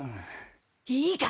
いいか？